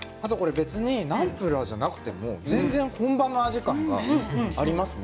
ナムプラーじゃなくても全然、本場の味感がありますね。